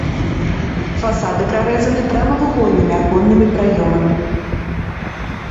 Фасады прарэзаны прамавугольнымі аконнымі праёмамі.